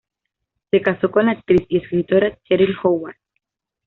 Se casó con la actriz y escritora Cheryl Howard.